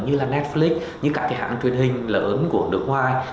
như là netflix các hãng truyền hình lớn của nước ngoài